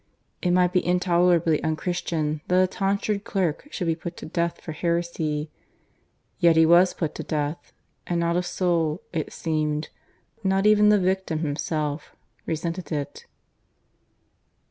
It might be intolerably unchristian that a tonsured clerk should be put to death for heresy, yet he was put to death, and not a soul, it seemed (not even the victim himself) resented it.